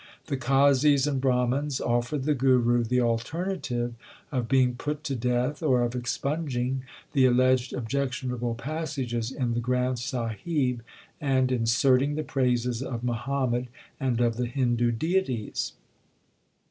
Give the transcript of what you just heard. The qazis and Brahmans offered the Guru the alternative of being put to death or of expunging the alleged objectionable passages in the Granth Sahib and inserting the praises of Muhammad and of the Hindu deities.